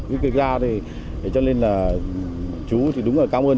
với kỳ ra thì cho nên là chú thì đúng là cảm ơn